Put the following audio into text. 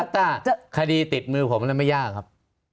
ถ้าคดีติดมือผมนั้นไม่ยากครับ